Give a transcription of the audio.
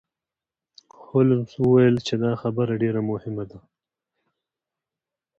هولمز وویل چې دا خبره ډیره مهمه ده.